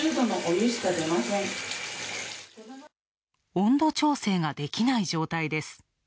温度調整ができない状態です。